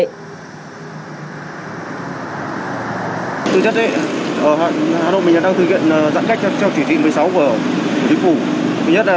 và luldade bán go nhập vouss bermount do